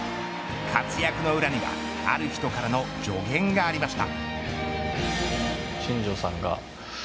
活躍の裏にはある人からの助言がありました。